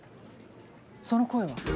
その声は。